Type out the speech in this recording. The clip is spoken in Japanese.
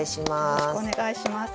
よろしくお願いします。